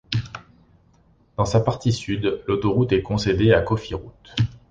Dans sa partie sud, l’autoroute est concédée à Cofiroute.